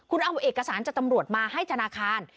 คุณเอาเอกสารจากตำรวจมาให้ธนาคาร